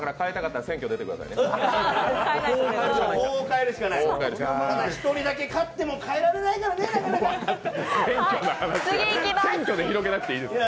ただ１人だけ勝っても変えられないからね、なかなか。